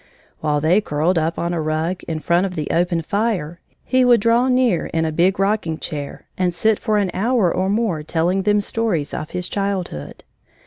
While they curled up on a rug, in front of the open fire, he would draw near in a big rocking chair and sit for an hour or more telling them stories of his childhood.